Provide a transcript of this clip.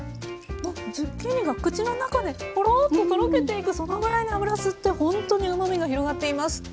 ズッキーニが口の中でほろっととろけていくそのぐらいに油を吸ってほんとにうまみが広がっています。